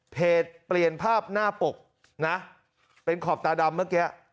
เปลี่ยนภาพหน้าปกนะเป็นขอบตาดำเมื่อกี้